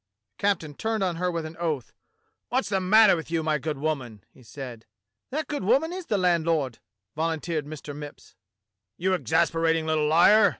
The captain turned on her with an oath. "What's the matter with you, my good woman?" he said. "That good woman is the landlord," volunteered Mr. Mipps. "You exasperating little liar!"